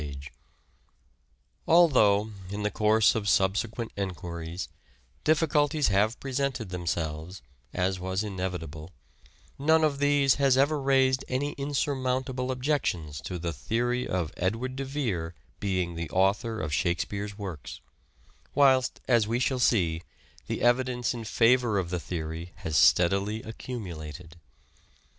Competing Although, in the course of subsequent enquiries, ins* difficulties have presented themselves, as was inevi table, none of these has ever raised any insurmountable objections to the theory of Edward de Vere being the author of Shakespeare's works ; whilst as we shall see, the evidence in favour of the theory has steadily accumulated.